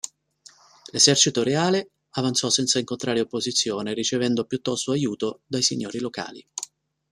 L'esercito reale avanzò senza incontrare opposizione ricevendo piuttosto aiuto dai signori locali.